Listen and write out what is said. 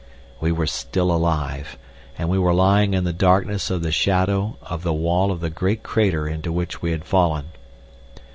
We were still alive, and we were lying in the darkness of the shadow of the wall of the great crater into which we had fallen.